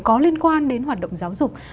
có liên quan đến hoạt động giáo dục